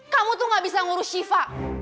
kamu tuh gak bisa ngurus shiva